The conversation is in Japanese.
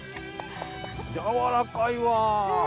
やわらかいわ。